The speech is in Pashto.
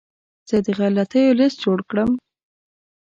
زه د غلطیو لیست جوړ کړم.